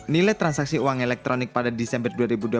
nilai transaksi uang elektronik pada desember dua ribu dua puluh